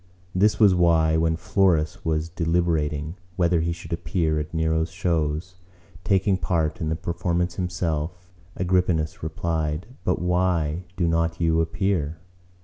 This was why, when Florus was deliberating whether he should appear at Nero's shows, taking part in the performance himself, Agrippinus replied, 'But why do not you appear?